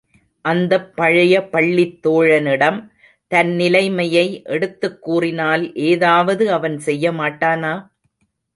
அந்தப் பழைய பள்ளித் தோழனிடம் தன் நிலைமையை எடுத்துக் கூறினால் ஏதாவது அவன் செய்ய மாட்டானா?